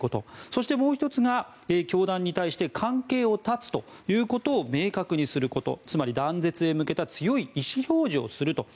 そしてもう１つが教団に対して関係を断つということを明確にすることつまり、断絶へ向けた強い意思表示をすると。